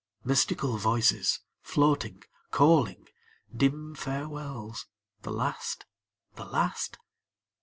Mystical voices, floating, calling; Dim farewells the last, the last?